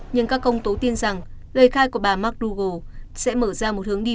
nhưng các công tố tin rằng lời khai của bà marcrogo sẽ mở ra một hướng đi